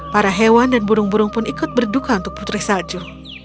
para hewan dan burung burung pun ikut berduka untuk putri salju